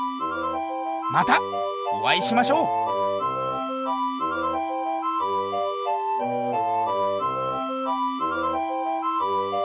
またおあいしましょう！